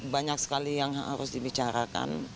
banyak sekali yang harus dibicarakan